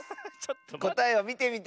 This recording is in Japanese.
こたえをみてみて。